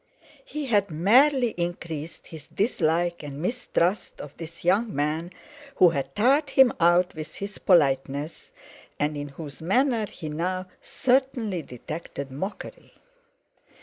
He had merely increased his dislike and mistrust of this young man, who had tired him out with his politeness, and in whose manner he now certainly detected mockery.